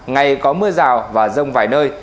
ngày có mưa rào và rông vài nơi